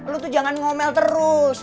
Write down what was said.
lu tuh jangan ngomel terus